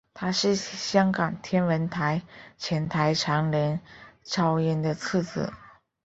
他是香港天文台前台长林超英的次子。